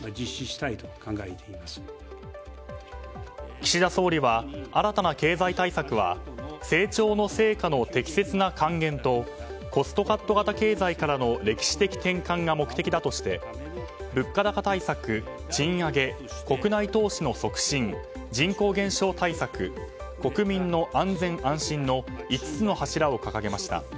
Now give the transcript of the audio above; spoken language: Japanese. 岸田総理は新たな経済対策は成長の成果の適切な還元とコストカット型経済からの歴史的転換が目的だとして物価高対策、賃上げ国内投資の促進、人口減少対策国民の安全・安心の５つの柱を掲げました。